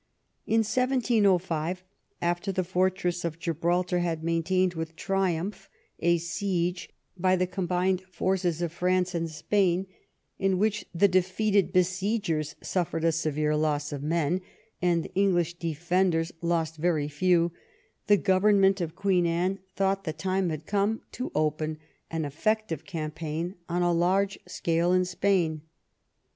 In 1705, after the fortress of Gibraltar had main tained with triumph a siege by the combined forces of 126 PSTERBOBOUGH IN SPAIN France and Spain, in which the defeated besiegers suffered a severe loss of men and the English defenders lost very few, the government of Queen Anne thought the time had come to open an effective campaign on a large scale in Spain.